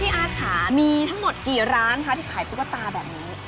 อาร์ตค่ะมีทั้งหมดกี่ร้านคะที่ขายตุ๊กตาแบบนี้